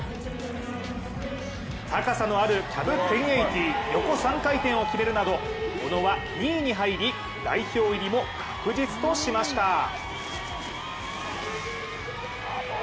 高さのあるキャブ１０８０、横３回転を決めるなど、小野は２位に入り、代表入りも確実としました。